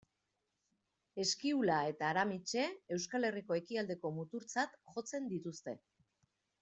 Eskiula eta Aramitse, Euskal Herriko ekialdeko muturtzat jotzen dituzte.